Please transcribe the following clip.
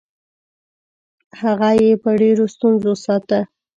هغه به یې په ډېرو ستونزو ساته.